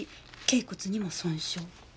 脛骨にも損傷。